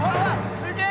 すげえ！